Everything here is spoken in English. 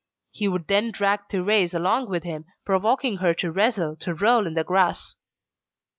He would then drag Thérèse along with him, provoking her to wrestle, to roll in the grass.